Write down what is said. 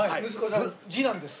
次男です。